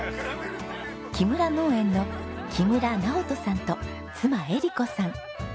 きむら農園の木村尚人さんと妻絵梨子さん。